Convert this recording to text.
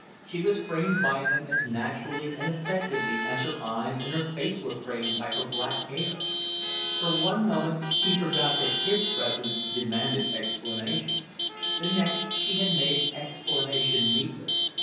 She was framed by them as naturally and effectively as her eyes and her face were framed by her black hair. For one moment he forgot that his presence demanded explanation; the next she had made explanation needless.